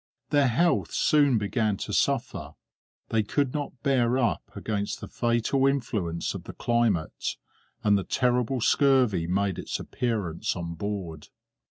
Their health soon began to suffer; they could not bear up against the fatal influence of the climate, and the terrible scurvy made its appearance on board.